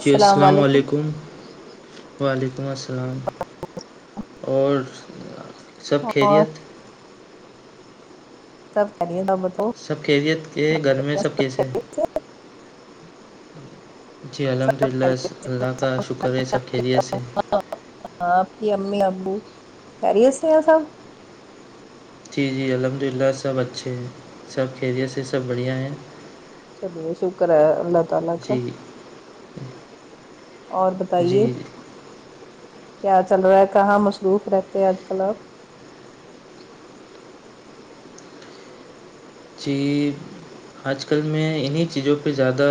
جی السلام علیکم وعلیکم السلام اور سب اور خیریت سب کری تھا م تو سب خیریت کے گھر میں سب کیسے ہیں سے؟ جی الحمد سب للہ خیریت سے، اللہ کا شکر ہے سب خیریت سے آپ کی امی ابو کیریس سے یہ صحب جی جی الحمد للہ سب اچھے ہیں سب خیریت سے سب بڑھیا ہیں بہت شکر ہے اللہ تعالی کا جی اور بتائیے جی کیا چل رہا ہے کہاں مصروف رہتے ہیں آج کل آپ جی آج کل میں انہیں چیزوں پہ زیادہ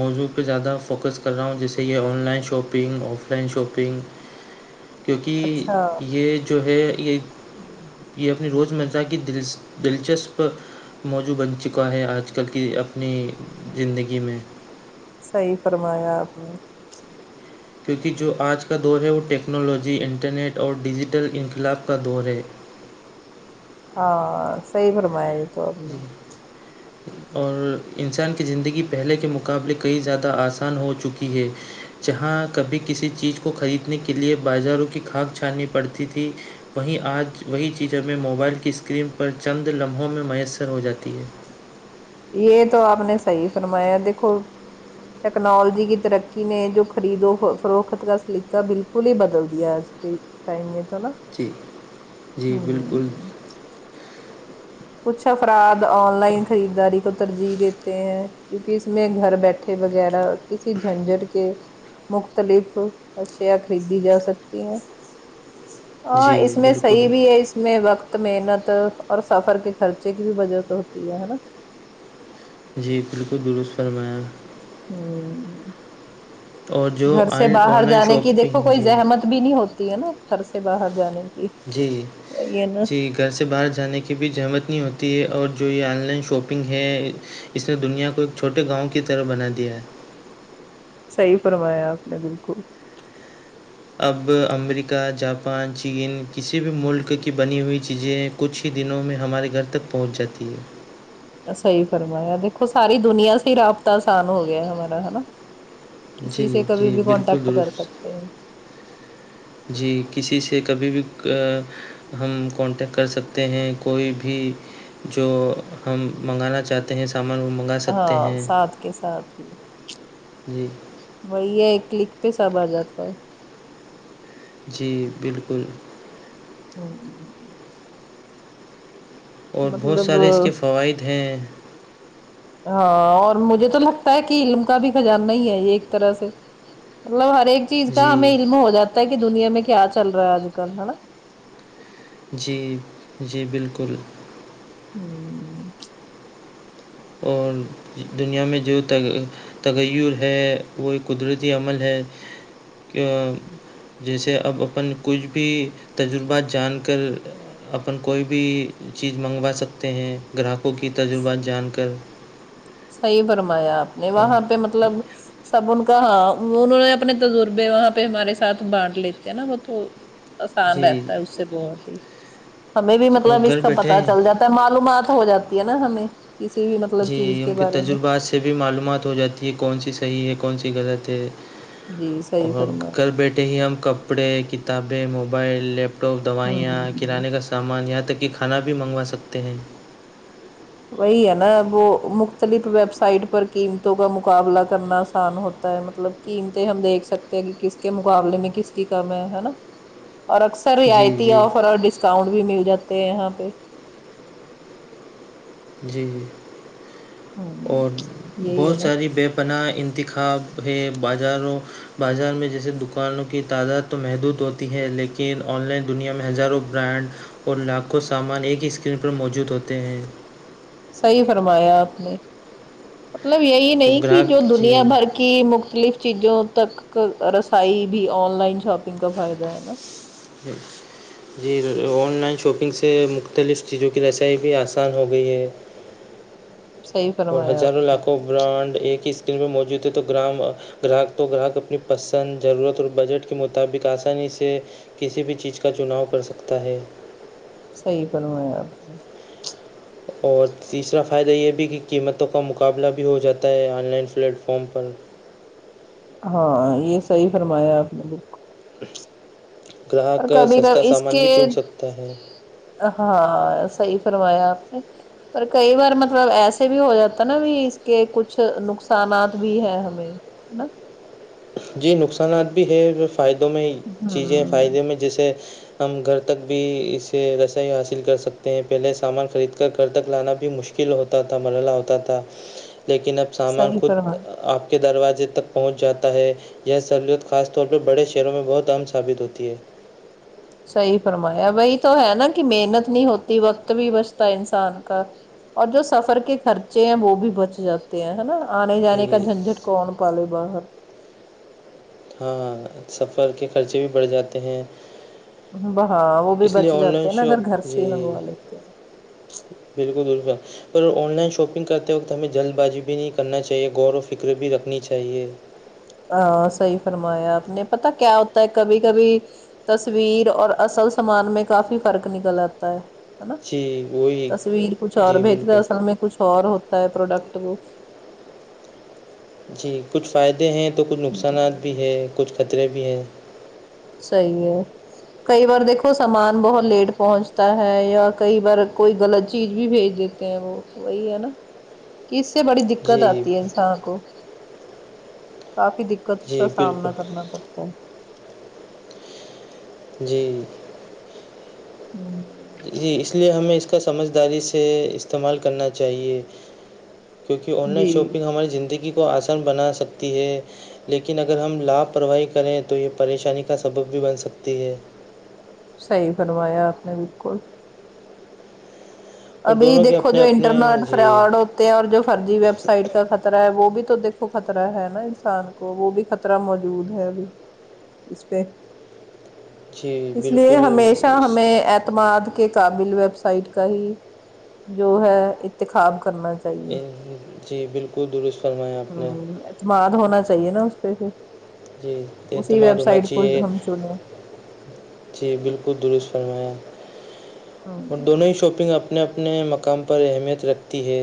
موضوع پہ زیادہ فوکس کر رہا ہوں جیسے کہ online shopping offline shopping ںو کیونکہ یہ جو ہے یہ یہ اپنی روزمرہ کی دل دلچسپ موجوع بن چکا ہے آج کل کی اپنی زندگی میں صحیح فرمایاپ کیونکہ جو آج کا دور ہے وہ ٹیکنالوجی انٹرنیٹ اور ڈیجیٹل انقلاب کا دور ہے ہاں صحیح فرمایا جی تو اب جی اور انسان کی زندگی پہلے کے مقابلے کئی زیادہ آسان ہو چکی ہے جہاں کبھی کسی چیز کو خریدنے کے لیے بازاروں کی کھاناک چھاننی پڑتی تھی وہیں آج وہی چیزیںیں موبائل کی اسکرین پر چند لمحوں میں میسر ہو جاتی ہے یہ تو آپ نے صحی فرمایا دیکھو ٹیکنالوجی کی ترقی نے جو خریدو فروخت کا سلیقہ بالکل پلی ہی بدل دیا آج کے ٹائم میں تو نا جی جی بالکل ہوں کچھ افراد آن لائن خریدداری کو ترجیح دیتے ہیں کیونکہ اس میں گھر بیٹھے وغیرہ کسی جھنجٹ کے مختلف اشیاء خریدی جا سکتی ہیں ہاں جی اس میں صحیح بالکل بھی ہے اس میں وقت محنت اور سفر کے خرچے کی بھی بجت ہوتی ہے نا جی بالکل درست فرمایا ہ اور جو گھر سے آن آن باہر لائن جانے کی دیکھو شاپنگ کوئی جی زحمت بھی نہیں ہوتی ہے نا گھر سے باہر جانے کی جی یہ نا جی گھر سے باہر جانے کی بھی زحمت نہیں ہوتی ہے اور جو یہ آن لائن شاپنگ ہے اس نے دنیا کو ایک چھوٹے گاؤں کی طرح بنا دیا ہے صحیح فرمایا آپ نے بالکل اب امریکہ جاپان چین کسی بھی ملک کی بنی ہوئی چیزیں کچھ ہی دنوں میں ہمارے گھر تک پہنچ جاتی ہے سحی فرمایا دیکھو ساری دنیا سے ہی رابطہ آسان ہو گیا ہمارا ہے نا کسی جی سے کبھی جی بھی بالکل کانٹیکٹ کر درست سکتے ہیں جی کسی سے کبھی بھی ہم کانٹیکٹ کر سکتے ہیں کوئی بھی جو ہم منگانا چاہتے ہیں سامان وہ سکتے ہاں ہیں ساتھ کے ساتھ ہی جی وہی یہ ایکلک پہ سب آ جاتا ہے جی بالکل ہوں اور بہت مطلب سارے اس کے فوائد ہیں ہاں اور مجھے تو لگتا ہے کہ علم کا بھی خزانہ ہی ہے یہ ایک طرح سے مطلب ہر ایک چیز کا ہمیں جی علم ہو جاتا ہے کہ دنیا میں کیا چل رہا ہے آج کل ہے نا جی جی بالکل ہوں [unintelligible] [unintelligible] اور دنیا میں جو ت تغیر ہے وہ ایک قدرتی عمل ہے جیسے اب اپن کچھ بھی تجربات جان کر اپن کوئی بھی چیز منگوا سکتے ہیں گراہکوں کی تجربات جان کر صحیح فرمایا آپ نے وہاں پہ مطلب سب ان کا ہاں انہوں نے اپنے تجربے وہاں پہ ہمارے ساتھ بانٹ لیتے ہیں نا وہ تو آسان جی رہتا ہے اس سے بہت ہی ہمیں بھی اور مطلب اس گھر کا پتا بیٹھے چل جاتا معلومات ہو جاتی ہے نا ہمیں کسی بھی مطلب چیز کے کیونکہ بارے میں تجربات سے بھی معلومات ہو جاتی ہے کون سی صحیح ہے کون سی غلط ہے جی صحیح اور کرل فرمایا بیٹھے ہی ہم کب کپڑے کتابیں موبائل لیپ ٹاپ دوائیاں ہوں کرانے کا سھ سامان یہاں تک کہ کھانا بھی منگوا سکتے ہیں وہی ہے نا وہ مختلف ویب سائٹ پر قیمتوں کا مقابلہ کرنا آسان ہوتا ہے مطلب قیمتیں ہم دیکھ سکتے ہیں کہ کس کے مقابلے میں کس کی کم ہے ہے نا اور اث سر جی رعایتی جی آفر اور ڈسکاؤنٹ بھی مل جاتے ہیں یہاں پہ جی جی ہ اور یہی ہے بہت نا ساری بیب پناہ انتخاب ہے بازاروں بازار میں جیسے دکانوں کی تعداد تو محدود ہوتی ہے لیکن آن لائن دنیا میں ہزاروں برانڈ اور لاکھوں سامان ایک ہی اسکرین پر موجود ہوتے ہیں صحیح فرمایا آپ نے مطلب یہی تو نہیں کہ جو گراہک دنیا جی بھر کے کہ مختلف چیزوں تک رسائی بھی آن لائن شاپنگ کا فائدہ ہے نا ہوں [unintelligible] [unintelligible] جی آن لائن شاپنگ سے مختلف چیزوں کی رسائی بھی آسان ہو گئی ہے صیف [inaudible] [unintelligible] اور ہزاروں لاکھوں برانڈ ایک ہی اسکرین پہ موجود تھے تو گرام گراہک تو گراہک اپنی پسند ضرورت اور بجٹ کے مطابق آسانی سے کسی بھی چیز کا چناؤ کر سکتا ہے صحیح کروں میں آپ اور تیسرا فائدہ یہ بھی کہ قیمتوں کا مقابلہ بھی ہو جاتا ہے آن لائن پلیٹ فارم پر ہاں یہ صحیح فرمایا آپ نے بک کو گراہک کبھی سستا کبھی اس سامان بھی کے چن سکتا ہے ہاں صحی فرمایا آپ نے پر کئی بار مطلب ایسے بھی ہو جاتا نا بھی اس کے کچھ نقصانات بھی ہے ہمیں نہ [inaudible] [unintelligible] جی نقصانات بھی ہے فائدوں میں چیزیں ہوں فائدے میں جیسے ہم گھر تک بھی اسے رسائی حاصل کر سکتے ہیں پہلے سامان خرید کر گھر تک لانا بھی مشکل فیل ہوتا تھا مرحلہ ہوتا تھا لیکن اب سامان صحیح خود فرما آپ کے دروازے تک پہنچ جاتا ہے یہ سہولت خاص طور پہ بڑے شہروں میں بہت ام ثابت ہوتی ہے صحی فرمایا بی تو ہے نا کہ محنت نہیں ہوتی وقت بھی بچتا انسان کا اور جو سفر کے خرچے ہیں وہ بھی بچ جاتے ہیں نا آنے جانے کا جی جھنجٹ کون پالے باہر ہاںاں سفر کے خرچے بھی بڑھ جاتے ہیں ب ہاں وہ بھی اس بچ لیے آن جاتے لائن ہیں نا اگر گھر شاپ سے جی ہی منگوا لیتے ہیں بالکل بکا [unintelligible] [unintelligible] اور آن لائن شاپنگ کرتے وقت ہمیں جلد بازی بھی نہیں کرنا چاہیے غور و فکر بھی رکھنی چاہیے ہ صحیح فرمایا آپ نے پتا کیا ہوتا ہے کبھی کبھی تصویر اور اصل سامان میں کافی فرق نکل آتا ہے ہے نا جی وہی تصویر کچھ اور جی بھیجتا بالکل اصل میں کچھ اور ہوتا ہے پروڈکٹ کو جی کچھ فائدے ہیں تو کچھ وہ نقصانات بھی ہے کچھ خطرے بھی ہیں صی ہے کئی بار دیکھو سامان بہت لیٹ پہنچتا ہے یا کئی بار کوئی غلط چیز بھی بھیج دیتی ہیں وہ وہی ہے نا اس سے بڑی دقت جی آتی ہے انسان کو کافی دق دقت جی کا بالکل سامنا کرنا پڑتا ہے جی ہوں جی اس لیے ہمیں اس کا سمجھداری سے استعمال کرنا چاہیے کیونکہ آن لائن جی شاپنگ ہماری زندگی کو آسان بنا سکتی ہے لیکن اگر ہم لاپرواہی کریں تو یہ پریشانی کا سبب بھی بن سکتی ہے صحی بنوایا آپ نے بالکل اور ابھی دونوں کے دیکو اپنے جو اپنے انٹرنیٹ جی فراڈ اور جو فرضی ویب سائٹ کا خطرہ ہے وہ بھی تو دیکھو خطرہ ہے نا انسان کو تو وہ بھی خطرہ موجود ہے ابھی اس پہ جی اس لیے بالکل ہمیشہ ہمیں اعتماد کے قابل ویب سائٹ کا ہی جو ہے انتخاب کرنا چاہیے جی بالکل درست فرمایا آپ نے ہوں اعتماد ہونا چاہیے نا اس پہ پھر جی اسی اعتماد ویب ہونا سائٹ کو چاہیے ہم چنے جی بالکل درست فرمایا ہ اور دونوں ہی شاپنگ آپ اپنے اپنے مقام پر اہمیت رکھتی ہے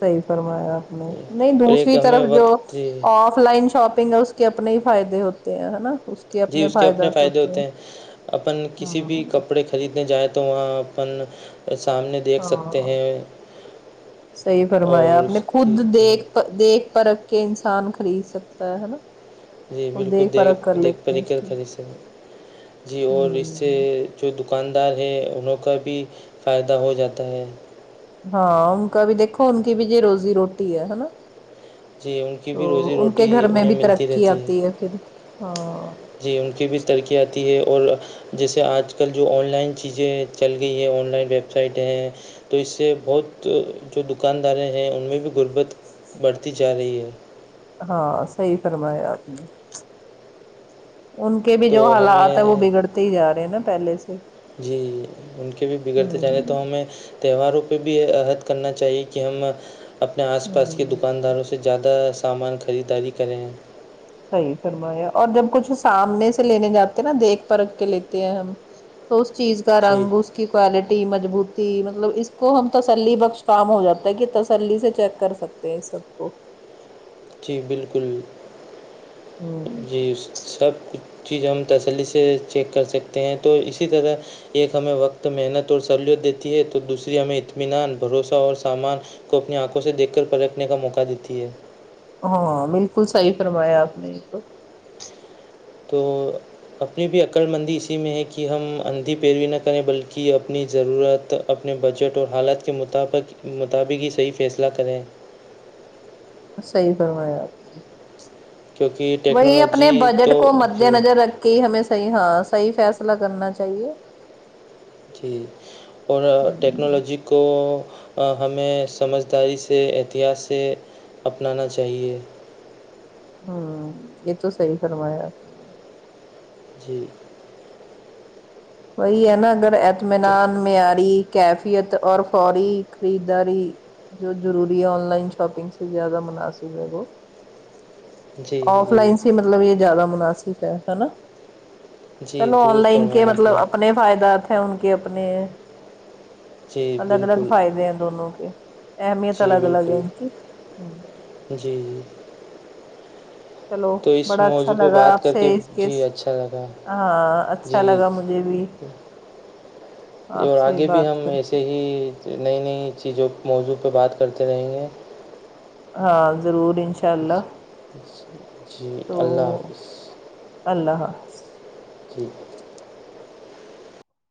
صحیح فرمایا آپ نے نہیں اور ایک دوسری ہمیں طرف جو وقت جی آف لائن شاپنگ ہے اس کے اپنے ہی فائدے ہوتے ہیں نا اس جی اس کے اپنے فائدے ہوتے ہیں اپن ہ کسی بھی کپڑے کا خریدنے جائیں تو وہاں اپن سامنے دیکھ سکتے ہاں ہیں صحیح فرمایا اور آپ نے اس کی خود دیکھ دیکھ پرکھ کے انسان خرید سکتا ہے نا جی خود بالکل پرکھ دیکھ کر دیکھ لیتے پری ہیں اس کر کی خرید سیں جی اور اس سے ہ جو دکاندار ہیں انہوں کا بھی فائدہ ہو جاتا ہے ہاں ان کا بھی دیکھو ان کی بھی جو روزی روٹی ہے نا جی ان کی تو بھی روزی ان کے روٹی گھر میں انہیں بھی ملتی ترقی رہتی آتی ہے پھر ہاں جی ان کی بھی ترقی آتی ہے اور جیسے آج کل جو آن لائن چیزیں چل گئی ہیں آن لائن ویب سائٹیں ہیں تو اس سے بہت جو دکانداریں ہیں ان میں بھی غربت بڑھتی جا رہی ہے ہاں صحیح فرمایا آپ نے ان کے بھی تو جو حالات ہیں وہ ہمیں بگڑتے ہی جا رہے ہیں نا پہلے سے جی ان کے بھی بگڑتے چلے ہوں تو ہمیں تہواروں پہ بھی عہد کرنا چاہیے کہ ہم اپنے آس پاس کے ہوں دکانداروں سے زیادہ سامان خریداری کریں صحیح فرمایا اور جب کچھ سامنے سے لینے جاتے نا دیکھ پرکھ کے لیتے ہیں ہم تو اس چیز کا جی رنگ اس کی کوالٹی مضبوطی مطلب اس کو ہم تسلی بخش کام ہو جاتا ہے کہ تسلی سے چیک کر سکتے ہیں تو ان سب کو جی بالکل ہ جی سب کچھ چیز ہم تسلی سے چیک کر سکتے ہیں تو اسی طرح ایک ہمیں وقت محنت اور سہولت دیتی ہے تو دوسری ہمیں اطمینان بھروسہ اور سامان کو اپنی آنکھوں سے دیکھ کر پلٹنے کا موقع دیتی ہے ہاں بالکل صحیح فرمایا آپ نے تو تو اپنی بھی عقڑ مندی اسی میں ہے کہ ہم اندھی پیروی نہ کریں بلکہ اپنی ضرورت اپنے بجٹ اور حالات کے مطابق مطابق ہی صحیح فیصلہ کریں صحی کروایا آپ کیونکہ وہی اپنے ٹیکنالوجی بجٹ تو کو مد جی نظر رکھ کے ہی ہمیں صحیح ہاں صحیح فیصلہ کرنا چاہیے جی اور ہوں ٹیکنالوجی کو ہمیں سمجھداری سے احتیاط سے اپنانا چاہیے ہوں یہ تو سحی فرمایاار جی وہی ہے نا اگر تو ایتمینان معیاری کیفیت اور فوری خریداری جو ضروری ہے آن لائن شاپنگ سے زیادہ مناسب ہے وہ جی آف جی لائن سے مطلب یہ زیادہ مناسب ہے ہے نا جی چلو آن درست لائن فرما کے ہے اپ مطلب نے اپنے فائدات ہیں ان کے اپنے جی الگ الگ بالکل فائدے ہیں دونوں کے احمیت جی الگ الگ ہے بالکل ان کی ہ جی جی چلو تو اس بڑا اچھا موضوع پہ لگا بات آپ کر سے کے اسس جی اچھا لگا ہاں اچھا لگا مجھے بھی [inaudible] ج آپ اور سے آگے بھی بات ہم کر کے ایسے ہی نئی نئی چیزوں موضوع پہ بات کرتے رہیں گے ہاں ضرور انء جی تو اللہ حافظ اللہ حاظ ٹھیک ہے